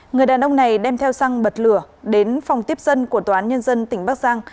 người đàn ông này đem theo xăng bật lửa đến phòng tiếp dân của tòa án nhân dân tỉnh bắc giang